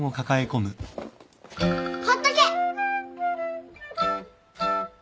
ほっとけ！